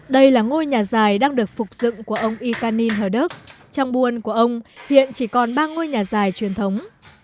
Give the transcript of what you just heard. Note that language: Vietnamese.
đây là ngôi nhà dài đang được phục dựng của ông ikanin hờ đức trong buôn của ông hiện chỉ còn ba ngôi nhà dài truyền thống